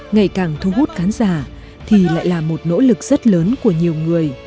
ngày càng thu hút khán giả thì lại là một nỗ lực rất lớn của nhiều người